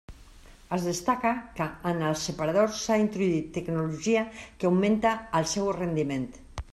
Es destaca que en el separador s'ha introduït tecnologia que augmenta el seu rendiment.